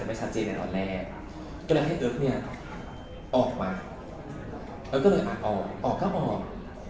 จะแสดงว่าเข้าควรมาเปลี่ยนกายก็มีผลในหลายอย่าง